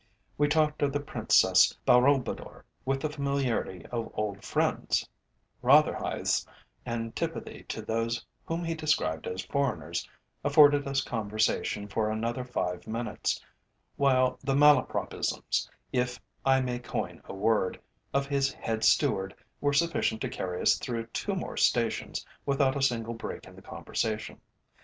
We talked of the Princess Balroubadour with the familiarity of old friends; Rotherhithe's antipathy to those whom he described as "foreigners" afforded us conversation for another five minutes; while the Malapropisms, if I may coin a word, of his head steward, were sufficient to carry us through two more stations without a single break in the conversation.